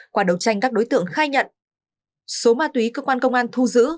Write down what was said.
qua đấu tranh các đối tượng khai nhận số ma túy cơ quan công an thu giữ